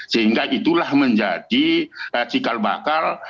sehingga itulah menjadi cikal bakal